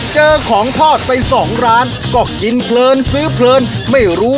เจอของทอดไป๒ร้านก็ยินเพลินซื้อเพลินมี